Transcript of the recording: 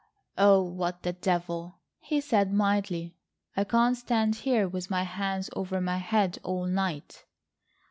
"Oh, what the devil!" he said mildly; "I can't stand here with my hands over my head all night."